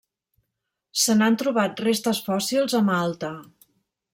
Se n'han trobat restes fòssils a Malta.